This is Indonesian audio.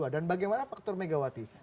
dan bagaimana faktor megawati